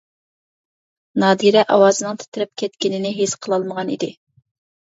نادىرە ئاۋازىنىڭ تىترەپ كەتكىنى ھېس قىلالمىغان ئىدى.